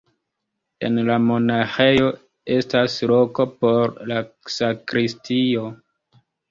En la monaĥejo estas loko por la sakristio.